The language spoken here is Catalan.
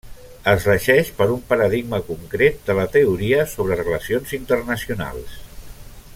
Es regeix per un paradigma concret de la teoria sobre relacions internacionals.